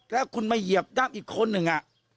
แล้วคุณมาเหยียบด้ามอีกคนหนึ่ง